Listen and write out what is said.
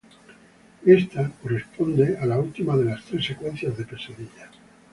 Esta corresponde a la última de las tres secuencias de pesadillas.